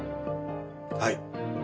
はい。